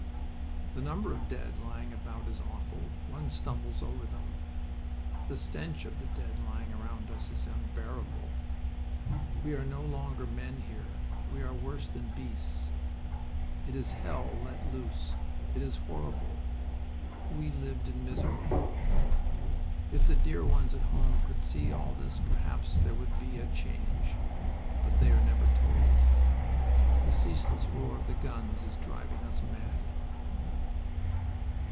"The number of dead lying about is awful. One stumbles over them." "The stench of the dead lying round us is unbearable." "We are no longer men here. We are worse than beasts." "It is hell let loose."... "It is horrible."... "We've lived in misery." "If the dear ones at home could see all this perhaps there would be a change. But they are never told." "The ceaseless roar of the guns is driving us mad."